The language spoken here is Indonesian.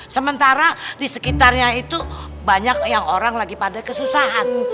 sementara di sekitarnya itu banyak yang orang lagi pada kesusahan